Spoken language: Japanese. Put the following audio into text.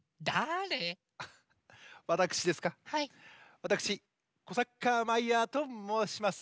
わたくしコサッカーマイヤーともうします。